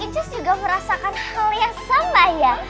incis juga merasakan hal yang sama ya